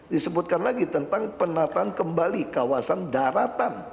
disebutkan lagi tentang penataan kembali kawasan daratan